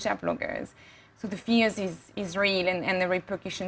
jadi kebenaran itu benar dan kebenaran itu penting